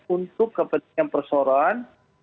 untuk kepentingan perseroan